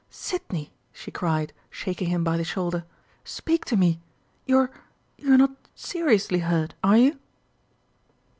"Sidney!" she cried, shaking him by the shoulder. "Speak to me! You're you're not seriously hurt, are you?"